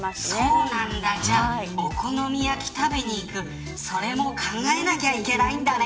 そうなんだ、じゃあお好み焼き食べに行くそれも考えなきゃいけないんだね。